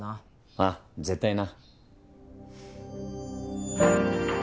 ああ絶対な。